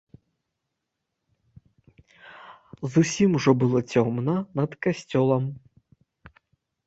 Зусім ужо было цёмна над касцёлам.